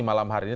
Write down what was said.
malam hari ini